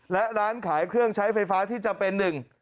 และร้านขายเครื่องใช้ไฟฟ้าที่จำเป็นหนึ่ง